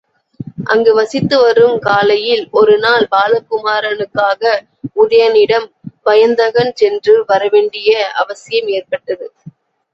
அங்ஙனம் வசித்து வருங் காலையில் ஒருநாள் பாலகுமரனுக்காக உதயணனிடம் வயந்தகன் சென்று வரவேண்டிய அவசியம் ஏற்பட்டது.